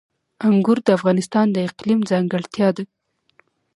انګور د افغانستان د اقلیم ځانګړتیا ده.